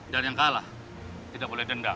dan yang kalah tidak boleh dendam